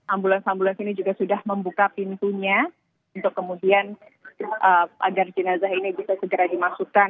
ambulans ambulans ini juga sudah membuka pintunya untuk kemudian agar jenazah ini bisa segera dimasukkan